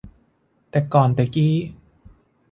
แต่ก่อนแต่กี้